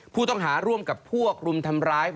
ผู้ต้องหาร่วมกับพวกรุมทำร้าย